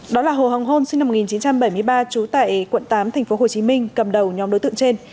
đó là hồ hồng hôn sinh năm một nghìn chín trăm bảy mươi ba trú tại quận tám tp hcm cầm đầu nhóm đối tượng trên